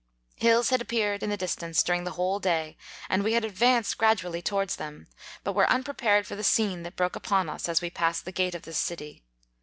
Hills had appeared in the distance during the whole day, and we had ad vanced gradually towards them, but were unprepared for the scene that broke upon us as we passed the gate of this city.